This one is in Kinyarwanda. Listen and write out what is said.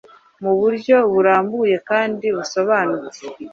mu buryo burambuye kandi busobanutse